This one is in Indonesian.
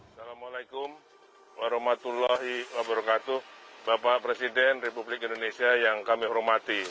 assalamualaikum warahmatullahi wabarakatuh bapak presiden republik indonesia yang kami hormati